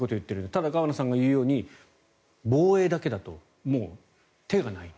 ただ、河野さんが言うように防衛だけだともう手がない。